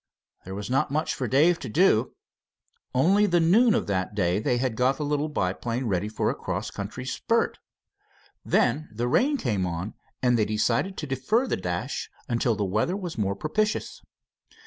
There was not much for Dave to do. Only the noon of that day they had got the little biplane ready for a cross country spurt. Then the rain came on, and they decided to defer the dash till the weather was more propitious.